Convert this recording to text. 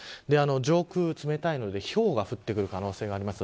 上空冷たいのでひょうが降ってくる可能性があります。